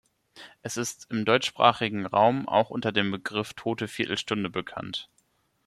Es ist im deutschsprachigen Raum auch unter dem Begriff Tote Viertelstunde bekannt.